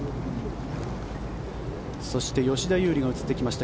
そして吉田優利が映ってきました